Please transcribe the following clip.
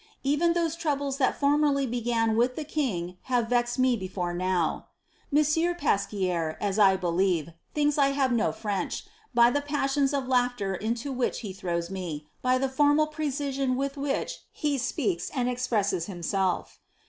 Even those troubles that formerly began with the king have vned me before now. "Monsieur Pasquier (as I believe) thinks I have no French, by the passions sf laugfaier into which he throws me, by the formal precision with which ho ■peaks, and expresses himself.